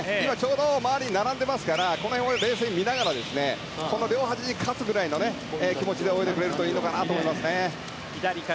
今、周り並んでいますからこの辺を冷静に見ながら両端に勝つぐらいの気持ちで泳いでくれるといいと思います。